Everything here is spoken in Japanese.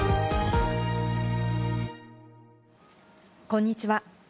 こんにちは。